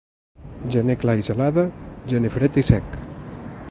Gener clar i gelada, gener fred i sec.